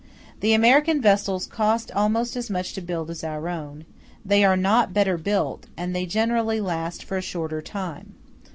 The American vessels cost almost as much to build as our own; *j they are not better built, and they generally last for a shorter time.